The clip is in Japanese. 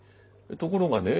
ところがね